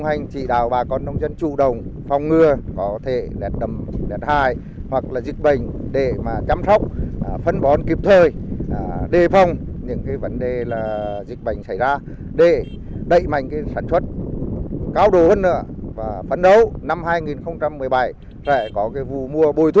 giá trị thương phẩm